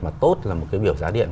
mà tốt là một cái biểu giá điện